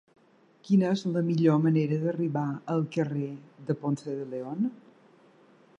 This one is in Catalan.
Quina és la millor manera d'arribar al carrer de Ponce de León?